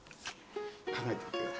考えてみてください。